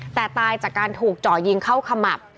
แต่ตายจากการถูกเจาะยิงเข้าขมับ